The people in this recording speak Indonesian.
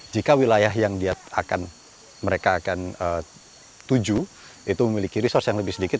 jika wilayah yang mereka akan tuju itu memiliki resource yang lebih sedikit